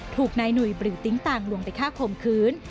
ถูกนายหนุ่ยหรือติ๊งต่างลวงไปฆ่าข่มขืน